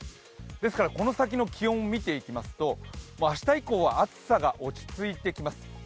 ですからこの先の気温を見ていきますと明日以降は暑さが落ち着いてきます。